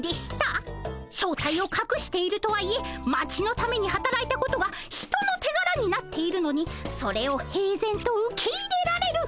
正体をかくしているとはいえ町のためにはたらいたことが人の手柄になっているのにそれを平然と受け入れられる。